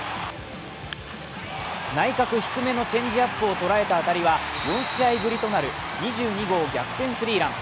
内角低めのチェンジアップを捉えた当たりは４試合ぶりとなる２２号逆転スリーラン。